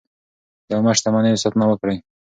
د عامه شتمنیو ساتنه وکړئ.